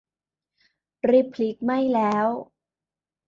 รีบพลิก ไหม้แล้ว